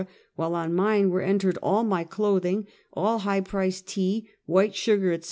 while on mine were entered all my clothing, all high priced tea, white sugar, etc.